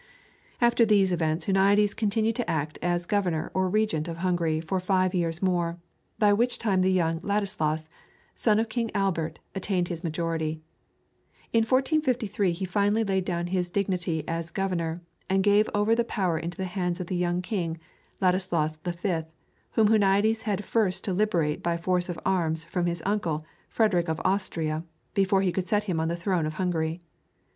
After these events Huniades continued to act as Governor or Regent of Hungary for five years more, by which time the young Ladislaus, son of King Albert, attained his majority. In 1453 he finally laid down his dignity as governor, and gave over the power into the hands of the young king, Ladislaus V., whom Huniades had first to liberate by force of arms from his uncle, Frederick of Austria, before he could set him on the throne of Hungary.